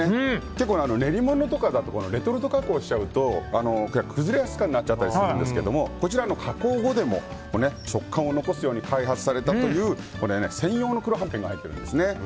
結構、練り物とかだとレトルト加工しちゃうと崩れやすくなっちゃったりするんですけどこちらは加工後でも食感を残すように開発されたという専用の黒はんぺんが入っているんですね。